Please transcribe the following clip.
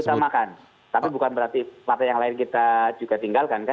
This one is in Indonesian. diutamakan tapi bukan berarti partai yang lain kita juga tinggalkan kan